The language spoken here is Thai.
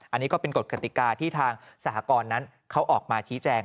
อันนี้ก็เป็นกฎกติกาที่ทางสหกรณ์นั้นเขาออกมาชี้แจง